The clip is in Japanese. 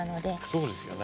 そうですよね。